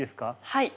はい。